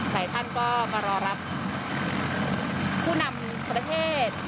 หลายท่านก็มารอรับผู้นำประเทศ